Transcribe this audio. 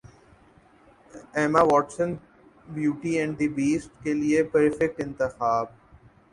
Emma Watson Beauty and the Beast کے لیے perfect انتخاب